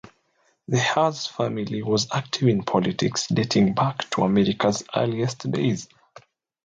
The Hawes family was active in politics dating back to America's earliest days.